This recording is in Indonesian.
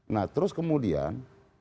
nah terus kemudian